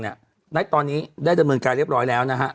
ณตอนนี้ได้ดำเนินการเรียบร้อยแล้วนะฮะ